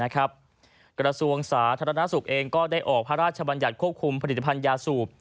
กระทรวงสาธารณสุขเองก็ได้ออกพระราชบัญญัติควบคุมผลิตภัณฑ์ยาสูบ